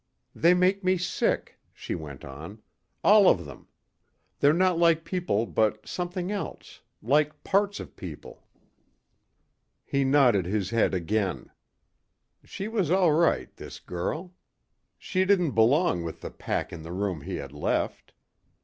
"They make me sick," she went on. "All of them. They're not like people but like something else. Like parts of people." He nodded his head again. She was all right this girl. She didn't belong with the pack in the room he had left.